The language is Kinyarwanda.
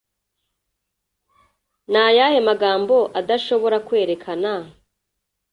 Ni ayahe magambo adashobora kwerekana